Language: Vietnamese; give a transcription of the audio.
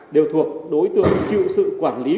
đều thuộc đối tượng chịu sự quản lý